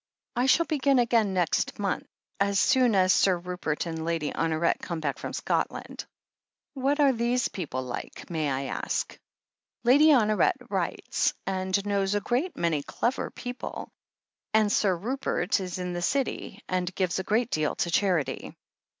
"I shall begin again next month — ^as soon as Sir Rupert and Lady Honoret come back from Scotland" "What are these people like, may I ask ?" "Lady Honoret writes, and knows a great many clever people, and Sir Rupert is in the City — ^and gives a great deal to charity."